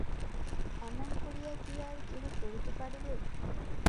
এমন করিয়া কি আর কেহ করিতে পারিবে।